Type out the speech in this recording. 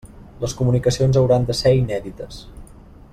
Les comunicacions hauran de ser inèdites.